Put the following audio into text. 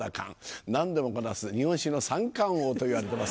何でもこなす日本酒の三冠王といわれてます